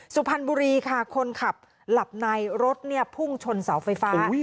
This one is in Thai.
สุพรรณบุรีค่ะคนขับหลับในรถพุ่งชนเสาไฟฟ้า